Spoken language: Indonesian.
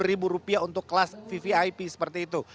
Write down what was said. lima puluh ribu rupiah untuk kelas vvip seperti itu